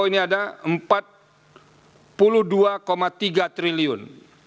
ini ada empat puluh dua tiga triliun